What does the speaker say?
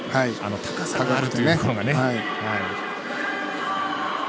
高さがあるというところがね。